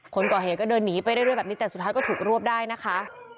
คนก่อเหตุก็เดินหนีไปเรื่อยแบบนี้แต่สุดท้ายก็ถูกรวบได้นะคะ